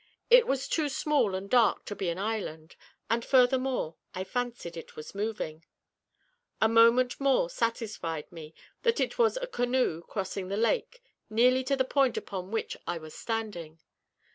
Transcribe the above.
It was too small and dark to be an island, and, furthermore, I fancied it was moving. A moment more satisfied me that it was a canoe crossing the lake nearly to the point upon which I was standing.